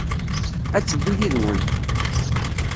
Ad teddu yid-went.